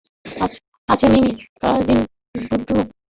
আছে মিমি, কাজিন বুড্রু।